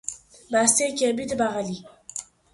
بستهی کبریت بغلی